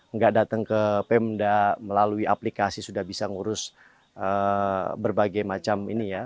nggak datang ke pemda melalui aplikasi sudah bisa ngurus berbagai macam ini ya